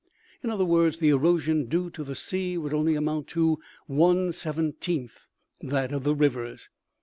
In other words, the erosion due to the sea would only amount to one seventeenth that of the rivers.